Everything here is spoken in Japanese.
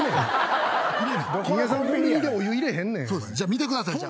見てくださいじゃあ。